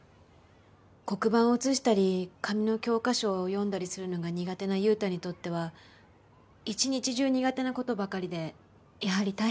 黒板を写したり紙の教科書を読んだりするのが苦手な優太にとっては一日中苦手な事ばかりでやはり大変だと思うんです。